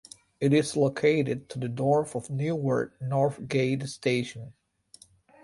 It is located to the north of Newark North Gate station.